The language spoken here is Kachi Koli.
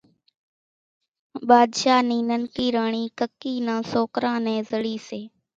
ٻاۮشاھ نِي ننڪي راڻِي ڪڪِي نان سوڪران نين زڙي سي